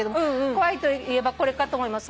カワイイといえばこれかと思います。